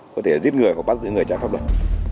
có thể là giết người hoặc bắt giữ người trái khắp đời